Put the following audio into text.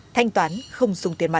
thanh toán không dùng tiền mặt